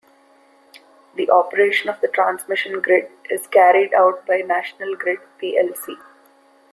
The operation of the transmission grid is carried out by National Grid plc.